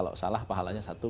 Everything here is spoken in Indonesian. kalau salah pahalanya satu